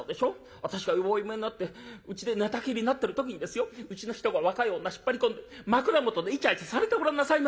私がよぼよぼになってうちで寝たきりになってる時にですようちの人が若い女引っ張り込んで枕元でイチャイチャされてごらんなさいましよ。